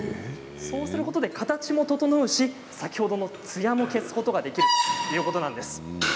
そうすることで形も整うし先ほどのツヤも消すことができるということです。